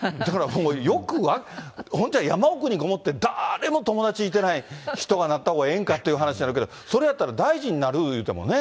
それじゃあ、本当は山奥にこもって、誰も友達いてない人がなったほうがええんかっていうことになるけど、それやったら大臣になる言うてもね。